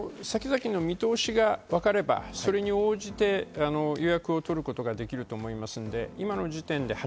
先々の見通しがわかれば、それに応じて予約を取ることができると思います。